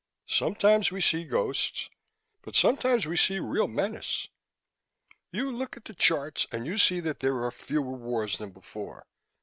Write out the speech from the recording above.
Sometimes we see ghosts, but sometimes we see real menace. You look at the charts and you see that there are fewer wars than before.